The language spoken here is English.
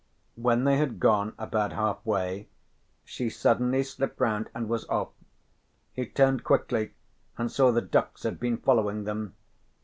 When they had gone about halfway she suddenly slipped round and was off. He turned quickly and saw the ducks had been following them.